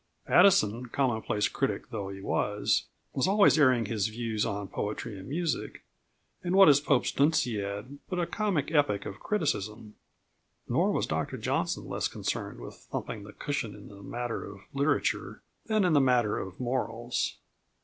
Addison, commonplace critic though he was, was always airing his views on poetry and music; and what is Pope's Dunciad but a comic epic of criticism? Nor was Dr Johnson less concerned with thumping the cushion in the matter of literature than in the matter of morals.